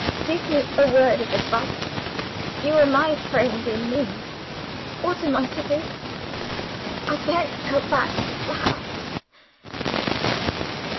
Give me a word of advice. You are my friend in need. What am I to do? I daren't go back to the house!"